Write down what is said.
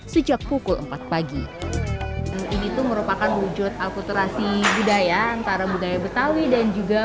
sejak pukul empat pagi ini tuh merupakan wujud akuterasi budaya antara budaya betawi dan juga